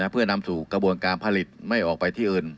เพื่อนำสู่กระบวนการผลิตไม่ออกไปที่อื่น